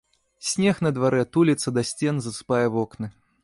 Снег на дварэ туліцца да сцен, засыпае вокны.